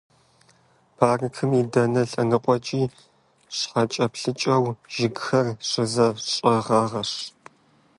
Паркым и дэнэ лъэныкъуэкӀи щхъуэкӀэплъыкӀэу жыгхэр щызэщӀэгъэгъащ.